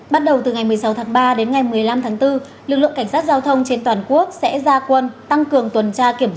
bắt đầu từ ngày một mươi sáu tháng ba đến ngày một mươi năm tháng bốn lực lượng cảnh sát giao thông trên toàn quốc sẽ ra quân tăng cường tuần tra kiểm soát